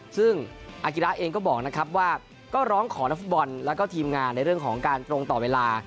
ซึ่งอากิระเองก็บอกนะครับว่าก็ร้องขอนักฟุตบอลแล้วก็ทีมงานในเรื่องของการตรงต่อเวลา